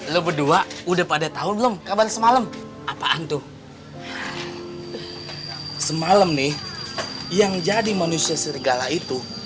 lo berdua udah pada tahu belum kabar semalam apaan tuh semalam nih yang jadi manusia serigala itu